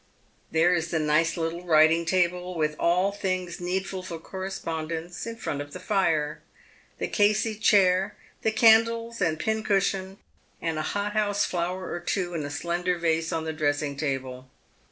There is the nice little writing table, with all things needful for correspondence, in front of the lire ; the easy chair ; the cvndles, and pincushion, and a hothouse flower or two in a slender glass on the dressmg table.